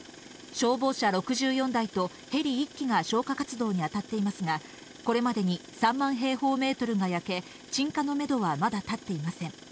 消防車６４台とヘリ１機が消火活動に当たっていますが、これまでに３万平方メートルが焼け、鎮火のメドはまだ立っていません。